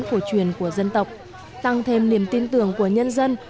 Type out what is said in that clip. cổ truyền của dân tộc tăng thêm niềm tin tưởng của nhân dân